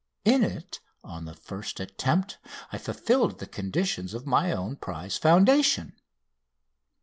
In it, on the first attempt, I fulfilled the conditions of my own prize foundation.